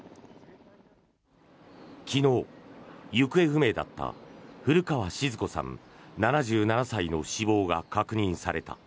昨日、行方不明だった古川静子さん、７７歳の死亡が確認された。